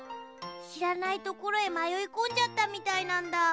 しらないところへまよいこんじゃったみたいなんだ。